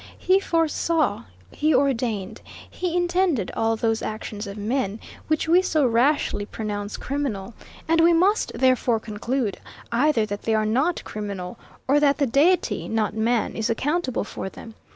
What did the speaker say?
He foresaw, he ordained, he intended all those actions of men, which we so rashly pronounce criminal. And we must therefore conclude, either that they are not criminal, or that the Deity, not man, is accountable for them.